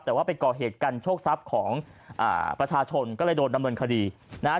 แต่ว่าไปก่อเหตุกันโชคทรัพย์ของอ่าประชาชนก็เลยโดนดำเนินคดีนะฮะ